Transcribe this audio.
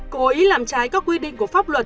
cố ý làm trái các quy định của pháp luật